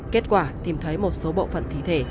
kết quả tìm thấy một số bộ phần thi thể